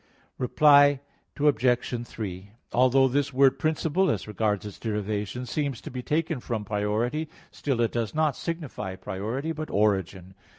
Reply Obj. 3: Although this word principle, as regards its derivation, seems to be taken from priority, still it does not signify priority, but origin.